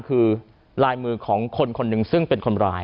คือลายมือของคนคนหนึ่งซึ่งเป็นคนร้าย